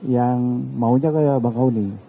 yang maunya kayak bang kahuni